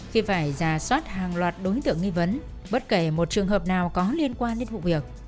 khi phải giả soát hàng loạt đối tượng nghi vấn bất kể một trường hợp nào có liên quan đến vụ việc